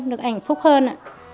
được ảnh phúc hơn